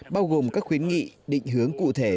bao gồm các khuyến nghị định hướng cụ thể